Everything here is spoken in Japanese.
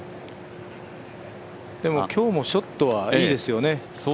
でも今日もショットはいいですよね。